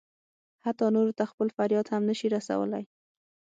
حتی نورو ته خپل فریاد هم نه شي رسولی.